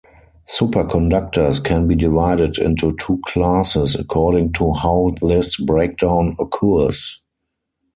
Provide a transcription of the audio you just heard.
Superconductors can be divided into two classes according to how this breakdown occurs.